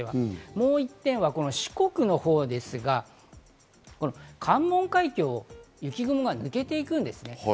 もう一点は四国の方ですが、関門海峡は雪雲が抜けていくんですね。